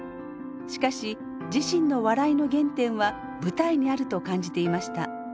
しかし自身の笑いの原点は舞台にあると感じていました。